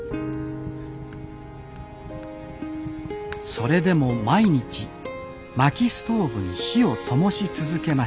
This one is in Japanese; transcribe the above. それでも毎日薪ストーブに火をともし続けました